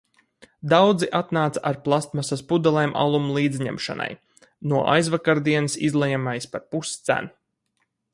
Daudzi atnāca ar plastmasas pudelēm alum līdzņemšanai. No aizvakardienas izlejamais par puscenu.